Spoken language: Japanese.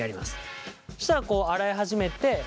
そしたらこう洗い始めてまあ